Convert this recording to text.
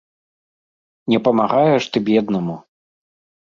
Не памагаеш ты беднаму!